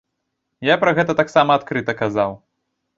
Я пра гэта таксама адкрыта казаў.